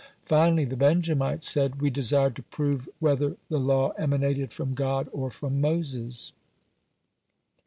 Finally, the Benjamites said: "We desired to prove whether the law emanated from God or from Moses."